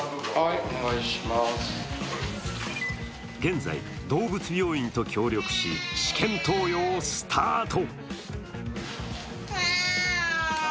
現在、動物病院と協力し、試験投与をスタート。